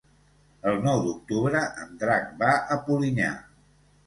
El nou d'octubre en Drac va a Polinyà.